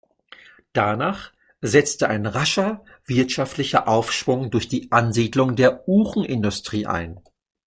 Danach setzte ein rascher wirtschaftlicher Aufschwung durch die Ansiedlung der Uhrenindustrie ein.